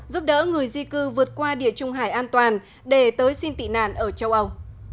giúp đỡ người di cư vượt qua địa trung hải an toàn để tới xin tị nạn ở châu âu